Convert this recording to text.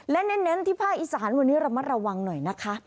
และเน้นที่ภาคอีสานวันนี้ระมัดระวังหน่อยนะคะ